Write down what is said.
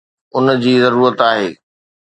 ان جي ضرورت آهي؟